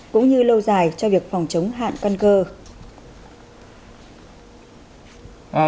cũng như lâu dài cho việc phòng chống hạn căn cơ